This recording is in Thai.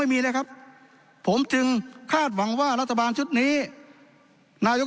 ไม่มีเลยครับผมจึงคาดหวังว่ารัฐบาลชุดนี้นายก